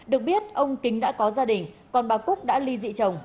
được biết ông kính đã có gia đình còn bà cúc đã ly dị trồng